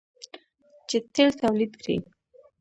چې تیل تولید کړي.